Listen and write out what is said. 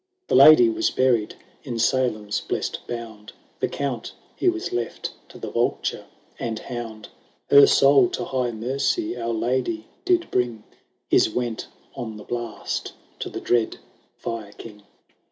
The Lady was buried in Salem's blessed bound, The Count he was left to the vulture and hound : Her soul to high mercy our Lady did bring ; His went on the blast to the dread Fire King.